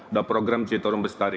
ada program citarum bestari